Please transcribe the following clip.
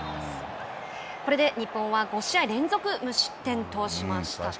これで日本は５試合連続無失点としました。